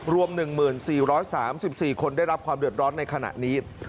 รวม๑๔๓๔คนได้รับความเดือดร้อนในขณะนี้